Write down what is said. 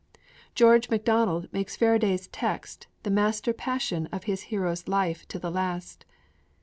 George Macdonald makes Faraday's text the master passion of his hero's life to the last.